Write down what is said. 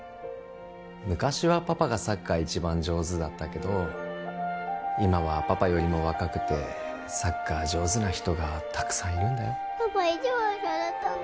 昔はパパがサッカー一番上手だったけど今はパパよりも若くてサッカー上手な人がたくさんいるんだよパパいじわるされたの？